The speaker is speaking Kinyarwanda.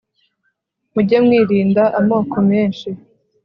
mujye mwirinda amoko menshi